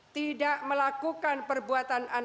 tidak melakukan perbuatan